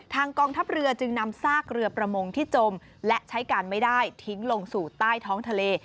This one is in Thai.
กองทัพเรือจึงนำซากเรือประมงที่จมและใช้การไม่ได้ทิ้งลงสู่ใต้ท้องทะเล